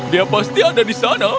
dia pasti ada di sana